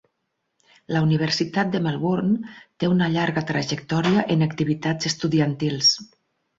La Universitat de Melbourne té una llarga trajectòria en activitats estudiantils.